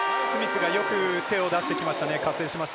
スミスがよく手を出してきましたね。